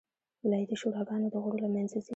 ولایتي شوراګانو د غړو له منځه.